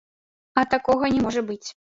А такога не можа быць.